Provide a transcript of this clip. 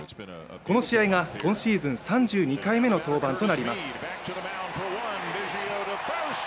この試合が今シーズン３２回目の登板となります。